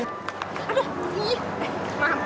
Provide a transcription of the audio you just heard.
nenek jangan mati